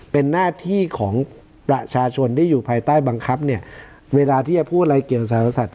เป็นหน้าที่ของประชาชนที่อยู่ภายใต้บังคับเนี่ยเวลาที่จะพูดอะไรเกี่ยวกับสารสัตว